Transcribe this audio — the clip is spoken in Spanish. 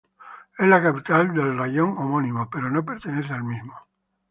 Es la capital del raión homónimo, pero no pertenece al mismo.